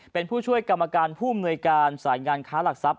เป็นผู้ช่วยกรรมการผู้อำนวยการสายงานค้าหลักทรัพย